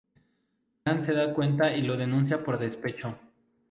Fran se da cuenta y lo denuncia por despecho.